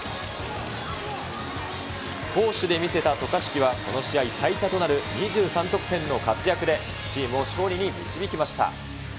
攻守で見せた渡嘉敷はこの試合最多となる２３得点の活躍で、チームを勝利に導きました。